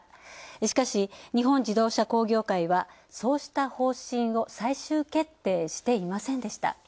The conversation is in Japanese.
しかし、日本自動車工業会はそうした方針を最終決定していませんでした。